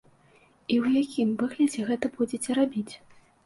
І ў якім выглядзе гэта будзеце рабіць?